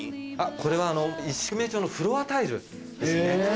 これは石目調のフロアタイルですね